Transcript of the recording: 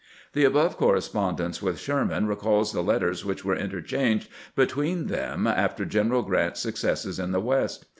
The above correspondence with Sherman recalls the letters which were interchanged between them after Gen eral Grant's successes in the "West.